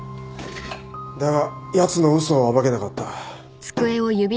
だがやつの嘘を暴けなかった。